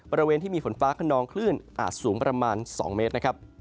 บริเวณที่มีฝนฟ้าขนองคลื่นอาจสูงประมาณ๒เมตรนะครับ